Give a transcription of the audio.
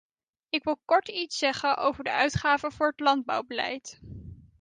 Ik wil kort iets zeggen over de uitgaven voor het landbouwbeleid.